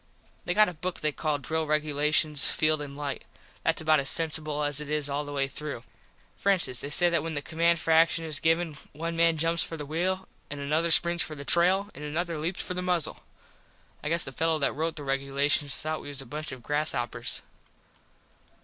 They got a book they call Drill Regulations Field and Light. Thats about as censible as it is all the way through. For instance they say that when the command for action is given one man jumps for the wheel and another springs for the trail an another leaps for the muzzle. I guess the fellow that rote the regulations thought we was a bunch of grass hoppers.